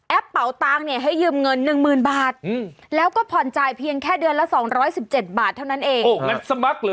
เป่าตังค์เนี่ยให้ยืมเงินหนึ่งหมื่นบาทแล้วก็ผ่อนจ่ายเพียงแค่เดือนละ๒๑๗บาทเท่านั้นเอง